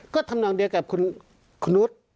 ก็ทำนองเดียวกับคุณนุษย์